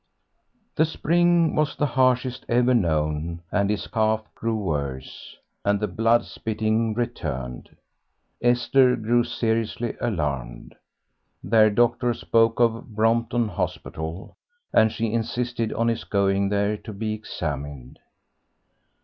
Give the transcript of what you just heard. The spring was the harshest ever known, and his cough grew worse and the blood spitting returned. Esther grew seriously alarmed. Their doctor spoke of Brompton Hospital, and she insisted on his going there to be examined.